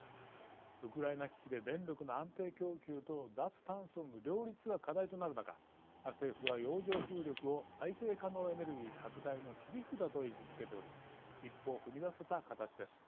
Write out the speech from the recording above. ウクライナ危機で電力の安定供給と脱炭素の両立が課題となる中政府は洋上風力を再生可能エネルギー拡大の切り札と位置づけており一歩踏み出せた形です。